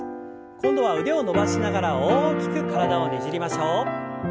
今度は腕を伸ばしながら大きく体をねじりましょう。